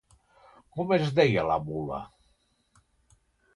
Com es deia la mula?